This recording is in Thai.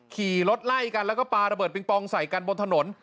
ขี่รถไล่กันแล้วก็ปลาระเบิดปิงปองใส่กันบนถนน